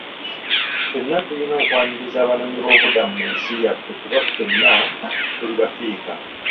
Ffenna tuyina okwaniriza abanoonyiboobubudamu mu nsi yaffe kubanga ffenna tuli bafirika.